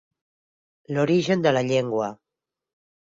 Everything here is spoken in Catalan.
L'origen de la llengua.